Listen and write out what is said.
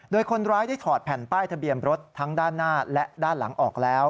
โดยคนร้ายได้ถอดแผ่นป้ายทะเบียนรถทั้งด้านหน้าและด้านหลังออกแล้ว